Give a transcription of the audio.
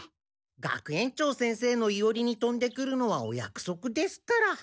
学園長先生のいおりにとんでくるのはおやくそくですから。